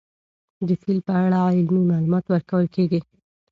د فیل په اړه علمي معلومات ورکول کېږي.